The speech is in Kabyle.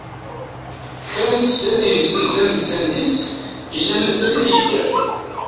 Kra n tsadatin send tamettant-is, yella mazal-it yedder.